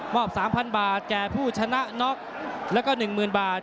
มอบ๓๐๐๐บาทแก่ผู้ชนะน๊อคและก็๑๐๐๐บาท